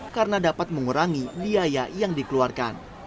karena dapat mengurangi biaya yang dikeluarkan